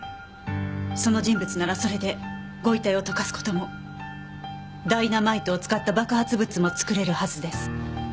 その人物ならそれで御遺体を溶かす事もダイナマイトを使った爆発物も作れるはずです。